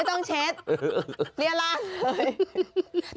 ไม่ต้องเช็ดพลีอราช